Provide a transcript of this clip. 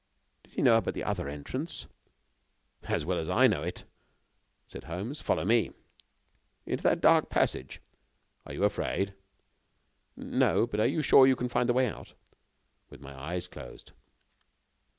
"Did he know about the other entrance?" "As well as I know it," said Holmes. "Follow me." "Into that dark passage?" "Are you afraid?" "No, but are you sure you can find the way out?" "With my eyes closed."